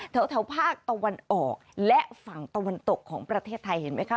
แถวภาคตะวันออกและฝั่งตะวันตกของประเทศไทยเห็นไหมคะ